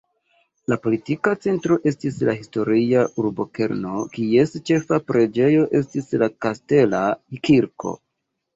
La politika centro estis la historia urbokerno, kies ĉefa preĝejo estis la kastela kirko.